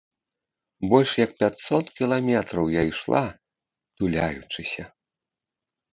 Больш як пяцьсот кіламетраў я ішла, туляючыся.